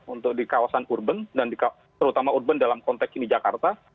untuk di kawasan urban dan terutama urban dalam konteks ini jakarta